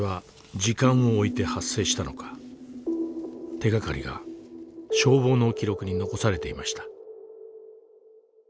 手がかりが消防の記録に残されていました。